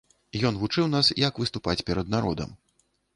Ён вучыў нас, як выступаць перад народам.